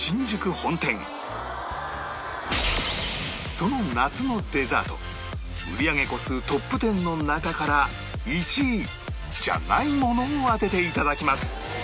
その夏のデザート売り上げ個数トップ１０の中から１位じゃないものを当てて頂きます